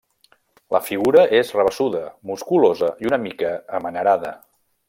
La figura és rabassuda, musculosa i una mica amanerada.